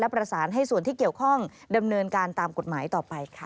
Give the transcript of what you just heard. ประสานให้ส่วนที่เกี่ยวข้องดำเนินการตามกฎหมายต่อไปค่ะ